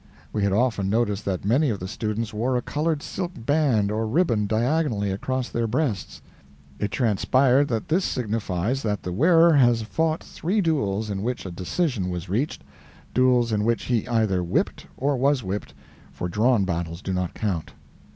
We had often noticed that many of the students wore a colored silk band or ribbon diagonally across their breasts. It transpired that this signifies that the wearer has fought three duels in which a decision was reached duels in which he either whipped or was whipped for drawn battles do not count.